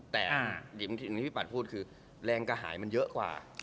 แต่อย่างที่พี่ปัดพูดคือแรงกระหายมันเยอะกว่า